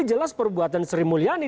jelas perbuatan sri mulyani